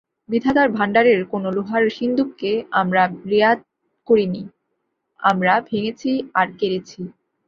বিধাতার ভাণ্ডারের কোনো লোহার সিন্দুককে আমরা রেয়াত করি নি, আমরা ভেঙেছি আর কেড়েছি।